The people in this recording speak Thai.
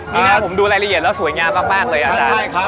นี่นะผมดูรายละเอียดแล้วสวยงามมากเลยอาจารย์